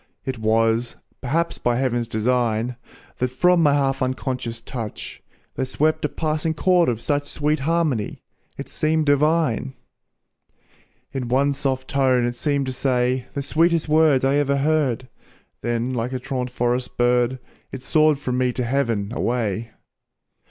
It was, perhaps by heaven's design, That from my half unconscious touch, There swept a passing chord of such Sweet harmony, it seemed divine. In one soft tone it seemed to say The sweetest words I ever heard, Then like a truant forest bird, It soared from me to heaven away.